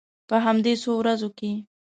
په همدې څو ورځو کې.